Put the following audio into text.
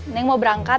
neng mau berangkat